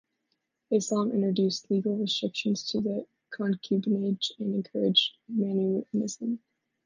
Islam introduced legal restrictions to the concubinage and encouraged manumission.